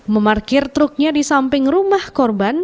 memarkir truknya di samping rumah korban